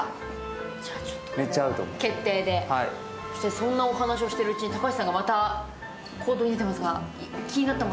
そんなお話をしているうちに高橋さんがまた行動に出ていますが。